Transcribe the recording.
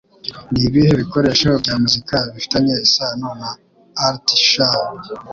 Nibihe bikoresho bya muzika bifitanye isano na Artie Shaw?